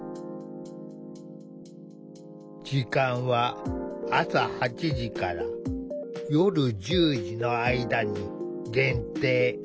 時間は朝８時から夜１０時の間に限定。